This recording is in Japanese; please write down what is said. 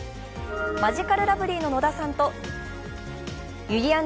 マヂカルラブリーの野田さんとゆりやん